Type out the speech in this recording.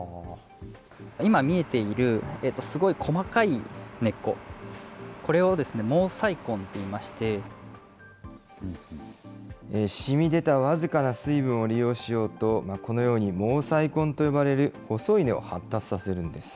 今見えているすごい細かい根っこ、しみ出た僅かな水分を利用しようと、このように、毛細根と呼ばれる細い根を発達させるんです。